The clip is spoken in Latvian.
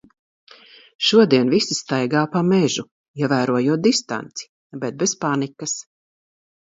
Šodien visi staigā pa mežu. Ievērojot distanci. Bet bez panikas.